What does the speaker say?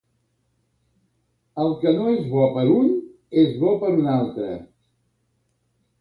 El que no és bo per a un, és bo per a un altre.